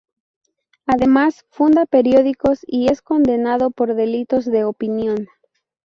Además funda periódicos y es condenado por delitos de opinión.